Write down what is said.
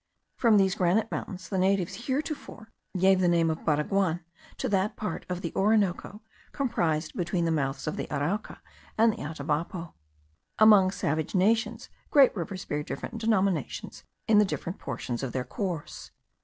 From these granite mountains the natives heretofore gave the name of Baraguan to that part of the Orinoco comprised between the mouths of the Arauca and the Atabapo. Among savage nations great rivers bear different denominations in the different portions of their course.